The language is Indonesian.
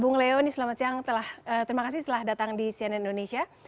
bung leoni selamat siang terima kasih telah datang di cnn indonesia